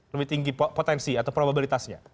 lebih tinggi potensi atau probabilitasnya